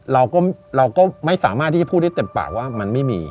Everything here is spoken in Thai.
เราก็ไม่สามารถที่จะพูดได้เต็มปากว่ามันไม่มี